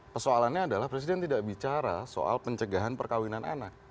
persoalannya adalah presiden tidak bicara soal pencegahan perkawinan anak